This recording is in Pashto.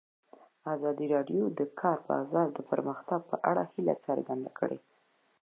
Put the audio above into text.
ازادي راډیو د د کار بازار د پرمختګ په اړه هیله څرګنده کړې.